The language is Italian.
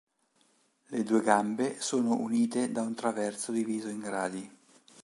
Le due gambe sono unite da un traverso diviso in gradi.